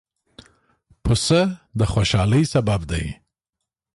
پسه د خوشحالۍ سبب دی.